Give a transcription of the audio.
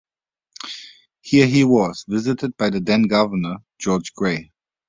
Here he was visited by the then Governor, George Grey.